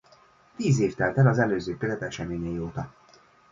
Tíz év telt el az előző kötet eseményei óta.